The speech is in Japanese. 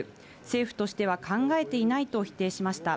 政府としては考えていないと否定しました。